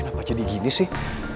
kenapa jadi gini sih